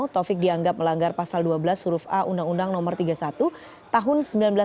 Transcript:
taufik dianggap melanggar pasal dua belas huruf a undang undang no tiga puluh satu tahun seribu sembilan ratus sembilan puluh